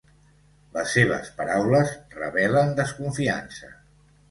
Les seves paraules revelen desconfiança.